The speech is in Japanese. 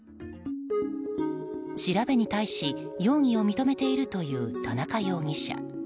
調べに対し容疑を認めているという田中容疑者。